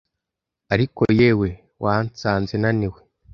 ariko yewe wansanze naniwe